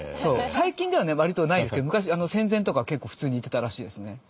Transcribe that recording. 最近では割とないですけど昔戦前とか結構普通に言ってたらしいですね。